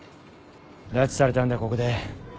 拉致されたんだここで。